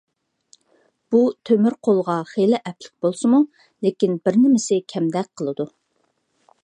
بۇ تۆمۈر قولغا خېلى ئەپلىك بولسىمۇ، لېكىن بىرنېمىسى كەمدەك قىلىدۇ.